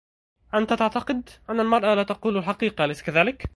انت تعتقد, ان المرأة لا تقول الحقيقة أليس كذلك